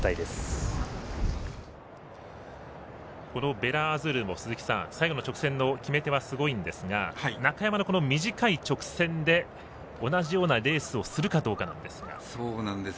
ヴェラアズールも最後の直線の決め手はすごいんですが中山の短い直線で同じようなレースをするかどうかというところですが。